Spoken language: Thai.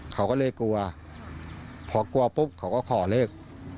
เขาก็เลยกลัวพอกลัวปุ๊บเขาก็ขอเลิก